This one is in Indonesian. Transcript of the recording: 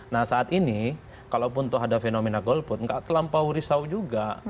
nah saat ini kalaupun tuh ada fenomena golput nggak terlampau risau juga